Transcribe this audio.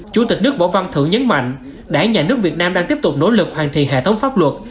chủ tịch nước võ văn thưởng nhấn mạnh đảng nhà nước việt nam đang tiếp tục nỗ lực hoàn thiện hệ thống pháp luật